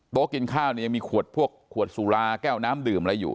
โต๊ะกินข้าวยังมีขวดพวกถูกขวดสูราแก้วน้ำดื่มอะไรอยู่